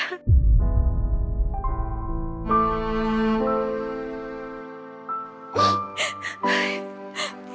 cepat pulang ya